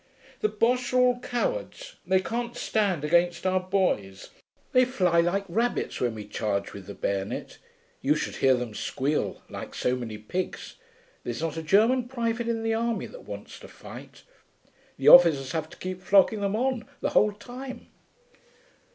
'The Boches are all cowards. They can't stand against our boys. They fly like rabbits when we charge with the bayonet. You should hear them squeal, like so many pigs. There's not a German private in the army that wants to fight. The officers have to keep flogging them on the whole time.'